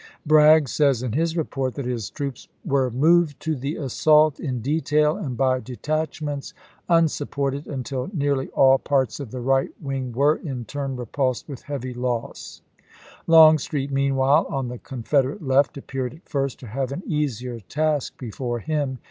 Bragg says in his report that his troops p Sept. 20, CHICKAilAUGA 93 "were moved to the assault in detail and by de chap.iv. tachments, unsupported, until nearly all parts of w. r. the right wing were, in turn, repulsed with heavy Partji.,'' loss." Longstreet, meanwhile, on the Confederate left, appeared at first to have an easier task before him.